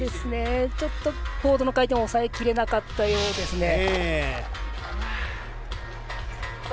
ちょっと、ボードの回転を抑えきれなかったようです。